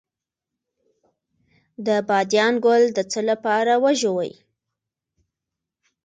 د بادیان ګل د څه لپاره وژويئ؟